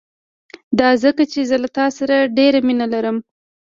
دا ځکه چې زه له تا سره ډېره مينه لرم.